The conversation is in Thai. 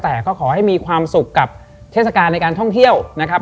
แต่ก็ขอให้มีความสุขกับเทศกาลในการท่องเที่ยวนะครับ